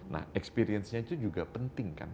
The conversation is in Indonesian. nah experience nya itu juga penting kan